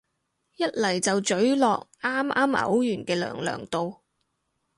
一嚟就咀落啱啱嘔完嘅娘娘度